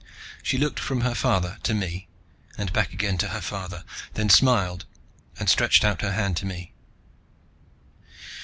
She looked from her father to me, and back again to her father, then smiled and stretched out her hand to me.